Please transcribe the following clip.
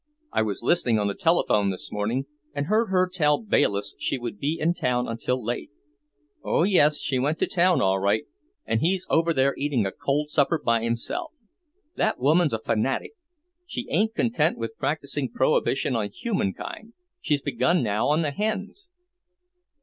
I was listening on the telephone this morning and heard her tell Bayliss she would be in town until late." "Oh, yes! She went to town all right, and he's over there eating a cold supper by himself. That woman's a fanatic. She ain't content with practising prohibition on humankind; she's begun now on the hens."